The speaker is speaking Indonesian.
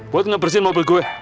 buat ngebersihin mobil gue